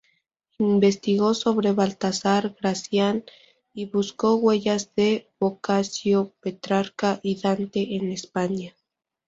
Investigó sobre Baltasar Gracián y buscó huellas de Boccaccio, Petrarca y Dante en España.